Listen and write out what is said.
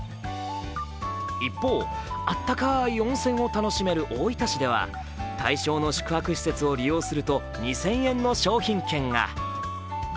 一方、あったかい温泉を楽しめる大分市では対象の宿泊施設を利用すると２０００円の商品券が。